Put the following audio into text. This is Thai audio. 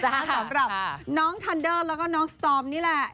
สำหรับน้องทันเดอร์แล้วก็น้องสตอมนี่แหละ